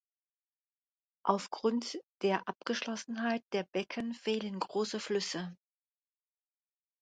Aufgrund der Abgeschlossenheit der Becken fehlen große Flüsse.